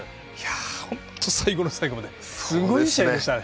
本当、最後の最後まですごい試合でしたね。